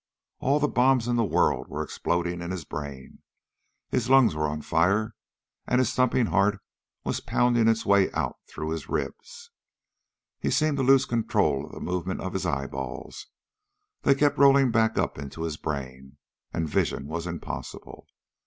All the bombs in the world were exploding in his brain. His lungs were on fire, and his thumping heart was pounding its way out through his ribs. He seemed to lose control of the movement of his eyeballs. They kept rolling back up into his brain, and vision was impossible.